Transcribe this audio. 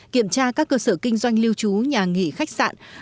kiểm tra các cơ sở kinh doanh lưu trú nhà nghỉ khách sạn